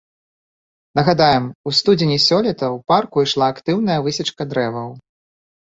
Нагадаем, у студзені сёлета ў парку ішла актыўная высечка дрэваў.